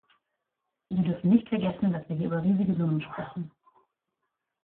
Wir dürfen nicht vergessen, dass wir hier über riesige Summen sprechen.